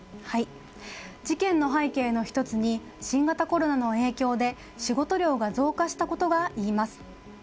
事件の背景の１つに新型コロナの影響で仕事量が増加したことがあると言います。